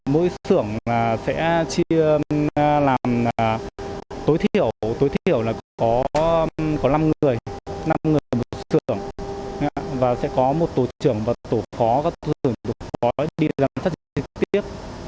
mỗi xưởng sẽ